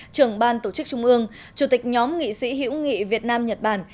trưởng ban tổ chức trung mương chủ tịch nhóm nghị sĩ hiểu nghị việt nam nhật bản